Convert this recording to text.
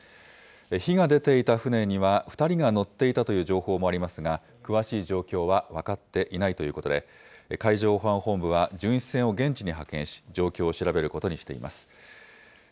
火が出ていた船には２人が乗っていたという情報もありますが、詳しい状況は分かっていないということで、海上保安本部は巡視船を現地に派遣し、状況を調べることにしています。